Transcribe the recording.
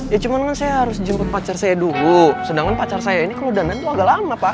ya cuman kan saya harus jemput pacar saya dulu sedangkan pacar saya ini keludanan tuh agak lama pak